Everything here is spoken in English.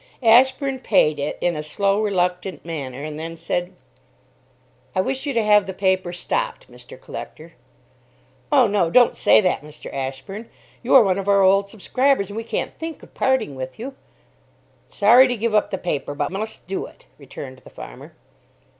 Ashburn paid it in a slow, reluctant manner, and then said "I wish you to have the paper stopped, Mr. Collector." "Oh, no, don't say that, Mr. Ashburn. You are one of our old subscribers, and we can't think of parting with you." "Sorry to give up the paper. But must do it," returned the farmer.